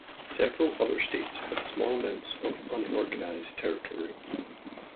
Several other states had small amounts of unorganized territory.